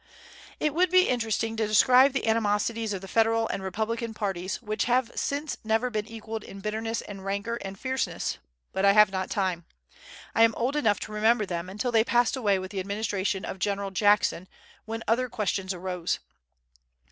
It would be interesting to describe the animosities of the Federal and Republican parties, which have since never been equalled in bitterness and rancor and fierceness, but I have not time. I am old enough to remember them, until they passed away with the administration of General Jackson, when other questions arose.